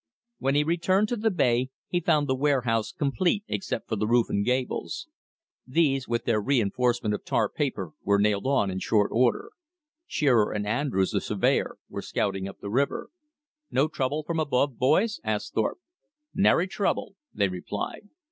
When he returned to the bay he found the warehouse complete except for the roofs and gables. These, with their reinforcement of tar paper, were nailed on in short order. Shearer and Andrews, the surveyor, were scouting up the river. "No trouble from above, boys?" asked Thorpe. "Nary trouble," they replied.